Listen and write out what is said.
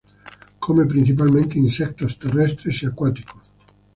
Come principalmente insectos terrestres y acuáticos.